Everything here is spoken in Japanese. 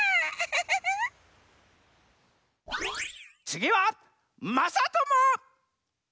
つぎはまさとも！